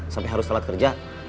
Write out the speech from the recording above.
sampai harus telat kerja